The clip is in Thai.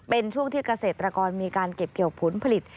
เป็นช่วงที่เกษตรกรมีการเก็บเกี่ยวผลผลิต